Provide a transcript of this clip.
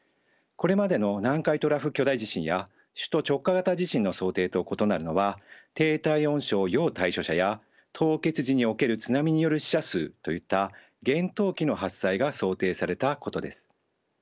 これまでの南海トラフ巨大地震や首都直下型地震の想定と異なるのは低体温症要対処者や凍結時における津波による死者数といった厳冬期の発災が想定されたことです。